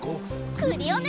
クリオネ！